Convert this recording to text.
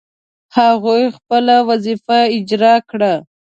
هغوی خپله وظیفه اجرا کړه.